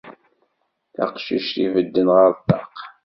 Taqcict ibedden ɣer ṭṭaq.